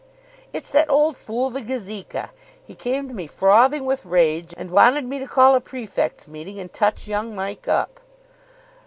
"It's that old fool the Gazeka. He came to me frothing with rage, and wanted me to call a prefects' meeting and touch young Mike up."